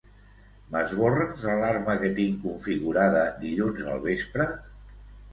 M'esborres l'alarma que tinc configurada dilluns al vespre?